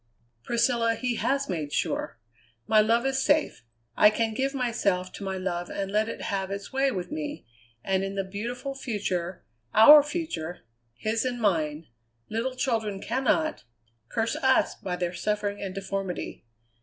"Priscilla, he has made sure! My love is safe. I can give myself to my love and let it have its way with me, and in the beautiful future, our future, his and mine, little children cannot curse us by their suffering and deformity.